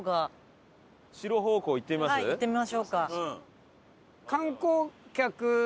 行ってみましょうか。